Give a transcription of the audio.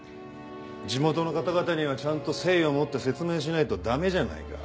地元の方々にはちゃんと誠意を持って説明しないと駄目じゃないか。